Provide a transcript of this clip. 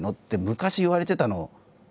昔言われてたのを。